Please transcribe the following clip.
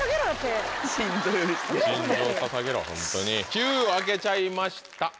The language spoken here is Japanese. ９開けちゃいました。